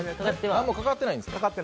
何もかかってないんですか。